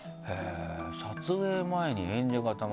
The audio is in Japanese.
「撮影前に演者が溜まる」